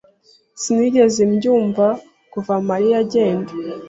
Sinigeze mbyumva kuva Mariya agenda.